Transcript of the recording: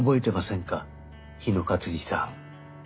日野勝次さん。